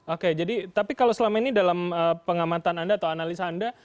oke jadi tapi kalau selama ini dalam pengamatan anda atau analisa anda